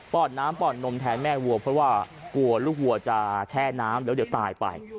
อดน้ำปอดนมแทนแม่วัวเพราะว่ากลัวลูกวัวจะแช่น้ำแล้วเดี๋ยวตายไป